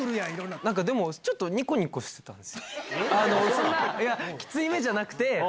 そんなきつい目じゃなくて。